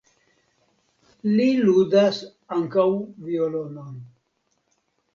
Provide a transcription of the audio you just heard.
Li ludas ankaŭ violonon.